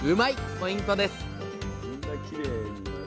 ポイントです